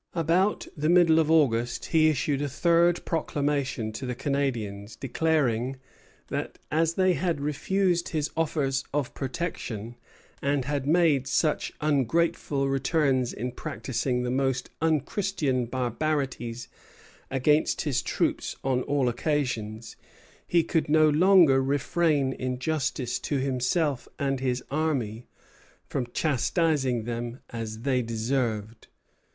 About the middle of August he issued a third proclamation to the Canadians, declaring that as they had refused his offers of protection and "had made such ungrateful returns in practising the most unchristian barbarities against his troops on all occasions, he could no longer refrain in justice to himself and his army from chastising them as they deserved."